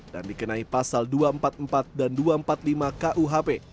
dan dikenai pasal dua ratus empat puluh empat dan dua ratus empat puluh lima kuhp